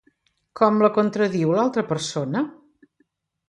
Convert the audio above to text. Com la contradiu, l'altra persona?